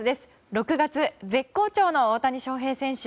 ６月絶好調の大谷翔平選手。